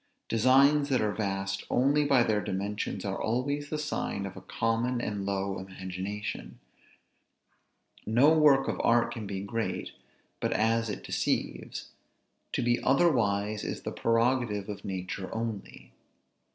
Designs that are vast only by their dimensions are always the sign of a common and low imagination. No work of art can be great, but as it deceives; to be otherwise is the prerogative of nature only.